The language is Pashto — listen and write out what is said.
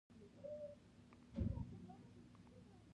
دوه کاله وروسته د نقد ګفتمان دیني کتاب خپور شو.